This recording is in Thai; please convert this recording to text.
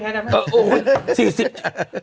ใครจะถูกไม่แพ้นะ